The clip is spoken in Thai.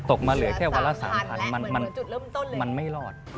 ตกมาเหลือแค่วันละ๓๐๐๐มันไม่รอด